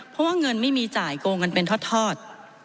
เพราะว่าเงินไม่มีจ่ายโกงกันเป็นทอด